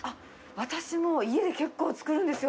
私も家で結構作るんですよ。